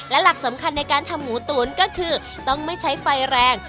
และหลักสำคัญในการทำหมูตุ๋นก็คือต้องไม่ใช้ไฟแรง